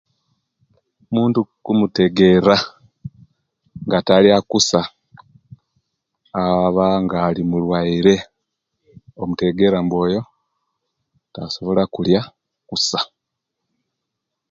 Omuntu okumutegeera nga talya kusa abanga ali mulwaire omutegeera nti oyo tasobola okulya kusa